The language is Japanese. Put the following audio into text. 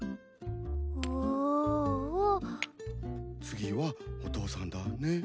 次はお父さんだね。